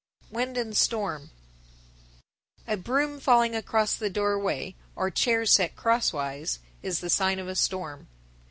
_ WIND AND STORM. 1050. A broom falling across the doorway, or chairs set crosswise, is the sign of a storm.